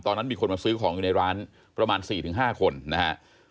ตอนนั้นมีคนมาซื้อของอยู่ในร้านประมาณ๔๕คนนะฮะ